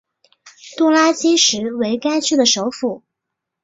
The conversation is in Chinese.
杜拉基什为该区的首府。